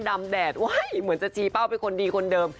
แดดไว้เหมือนจะชี้เป้าเป็นคนดีคนเดิม